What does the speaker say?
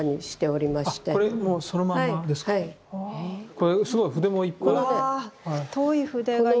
これすごい筆も。わ太い筆がいっぱい！